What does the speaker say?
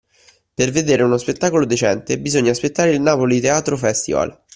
Per vedere uno spettacolo decente bisogna aspettare il Napoli Teatro Festival